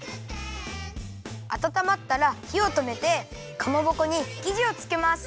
あたたまったらひをとめてかまぼこにきじをつけます。